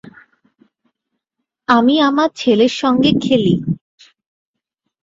আমি আমার ছেলের সঙ্গে খেলি।